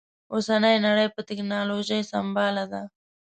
اوسنۍ نړۍ په ټکنالوژي سمبال ده